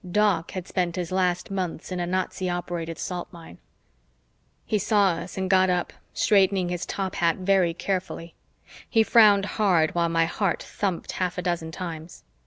Doc had spent his last months in a Nazi operated salt mine. He saw us and got up, straightening his top hat very carefully. He frowned hard while my heart thumped half a dozen times.